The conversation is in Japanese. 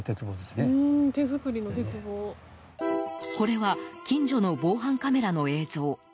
これは近所の防犯カメラの映像。